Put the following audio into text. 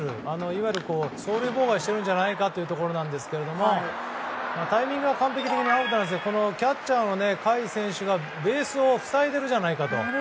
いわゆる走塁妨害しているんじゃないかというところですがタイミングは完璧にアウトですがキャッチャーの甲斐選手がベースを塞いでいるんじゃないかと。